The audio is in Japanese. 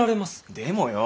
でもよぉ。